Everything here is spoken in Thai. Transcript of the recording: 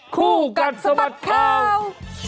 คู่กัดสะบัดข่าว